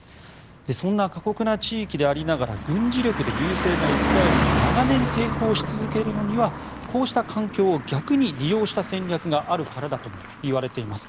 そんな過酷な地域でありながら軍事力で優勢なイスラエルに長年、抵抗し続けるのにはこうした環境を逆に利用した戦略があるからだともいわれています。